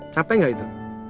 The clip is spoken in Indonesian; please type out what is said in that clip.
capek gak itu